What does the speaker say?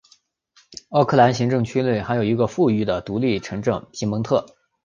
奥克兰行政区内还有一个富裕的独立城镇皮蒙特。